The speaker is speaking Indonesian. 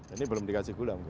ini belum dikasih gula mungkin